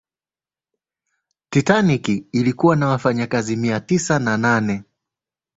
titanic ilikuwa na wafanyikazi mia tisa na nane